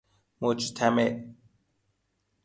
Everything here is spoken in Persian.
مجتمع